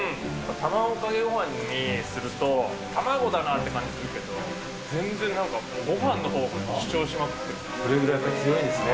卵かけごはんにすると、卵だなって感じするけど、全然なんかごはんのほうが主張しますね。